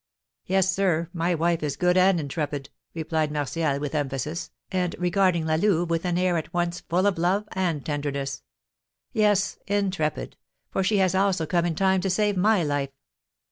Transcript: "Yes, sir, my wife is good and intrepid," replied Martial, with emphasis, and regarding La Louve with an air at once full of love and tenderness. "Yes, intrepid; for she has also come in time to save my life."